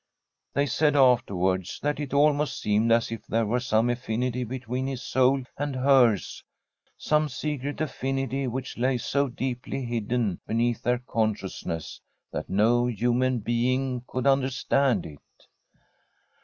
They said afterwards that it almost seemed as if there were some affinity between his soul and hers — some secret affinity which lay so deeply hidden beneath their consciousness that no human being could understand it.